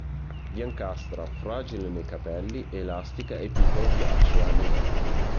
Biancastra, fragile nei cappelli, elastica e più coriacea nei gambi.